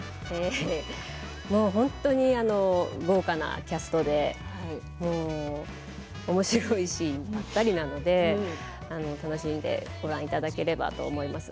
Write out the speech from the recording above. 本当に豪華なキャストでおもしろいしぴったりなので楽しんでご覧いただければと思います。